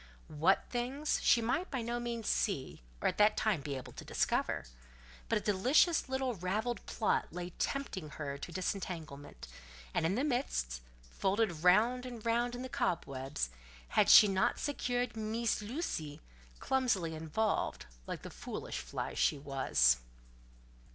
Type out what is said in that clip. What things, she might by no means see, or at that time be able to discover; but a delicious little ravelled plot lay tempting her to disentanglement; and in the midst, folded round and round in cobwebs, had she not secured "Meess Lucie" clumsily involved, like the foolish fly she was?